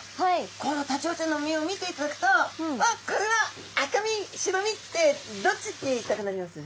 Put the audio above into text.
このタチウオちゃんの身を見ていただくとこれは赤身白身ってどっちって言いたくなります？